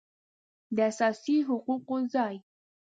داساسي حقوقو ځای